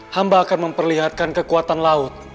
hamba akan memperlihatkan kekuatan laut